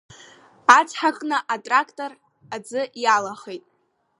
Ацҳаҟны атрақтор аӡы иалахеит…